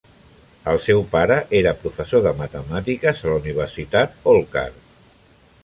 El seu pare era professor de matemàtiques a la universitat Holkar.